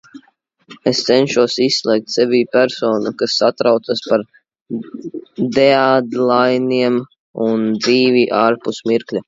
Es cenšos izslēgt sevī personu, kas satraucas par deadlainiem un dzīvi ārpus mirkļa.